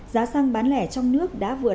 giá xăng bán lẻ trong nước đã vượt